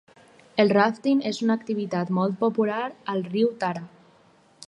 El ràfting és una activitat molt popular al riu Tara.